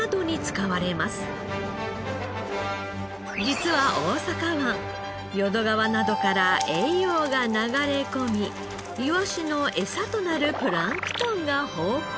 実は大阪湾淀川などから栄養が流れ込みいわしのエサとなるプランクトンが豊富。